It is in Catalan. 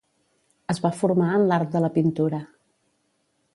Es va formar en l'art de la pintura.